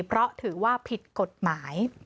เพราะถือว่าผิดกฎหมาย